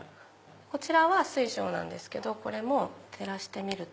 こちらは水晶なんですけどこれも照らしてみると。